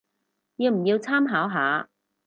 要唔要參考下